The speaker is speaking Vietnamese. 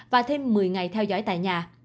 và thêm một mươi ngày theo dõi tại nhà